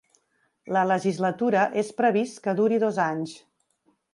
La legislatura és previst que duri dos anys.